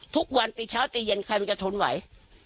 ทุกวันตีเช้าตีเย็นใครมันจะทนไหว